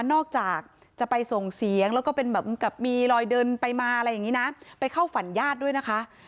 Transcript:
นอกจากจะไปส่งเสียงแล้วก็เป็นแบบมีรอยเดินไปมาอะไรอย่างนี้นะไปเข้าฝันญาติด้วยนะคะ